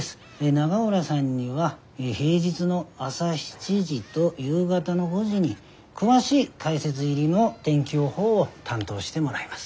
永浦さんには平日の朝７時ど夕方の５時に詳しい解説入りの天気予報を担当してもらいます。